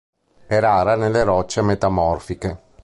È rara nelle rocce metamorfiche.